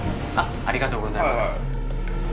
ありがとうございます。